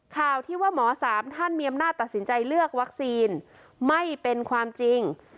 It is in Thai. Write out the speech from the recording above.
ข่าวที่ว่าหมอสามท่านมีอำนาจตัดสินใจเลือกวัคซีนไม่เป็นความจริง